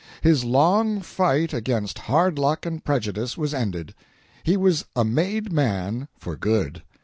His long fight against hard luck and prejudice was ended; he was a made man for good.